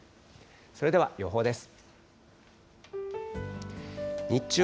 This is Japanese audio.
それでは予報です。